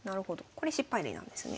これ失敗例なんですね。